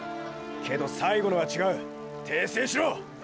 けど最後のは違う訂正しろ！！